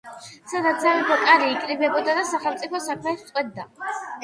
სადაც სამეფო კარი იკრიბებოდა და სახელმწიფო საქმეებს წყვეტდა.